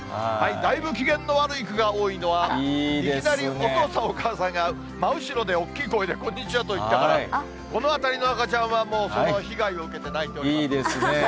だいぶ機嫌の悪い子が多いのは、いきなりお父さん、お母さんが真後ろで大きい声で、こんにちはと言ったから、この辺りの赤ちゃんはもう、その被害をいいですね。